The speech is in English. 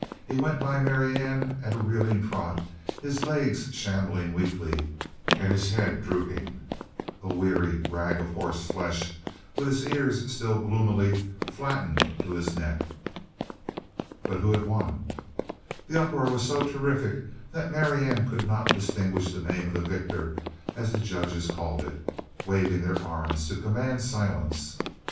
He went by Marianne at a reeling trot, his legs shambling weakly and his head drooping, a weary rag of horseflesh with his ears still gloomily flattened to his neck. But who had won? The uproar was so terrific that Marianne could not distinguish the name of the victor as the judges called it, waving their arms to command silence.